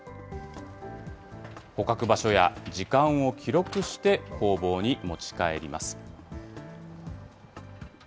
捕獲場所や時間を記録して、工房に持ち帰ります。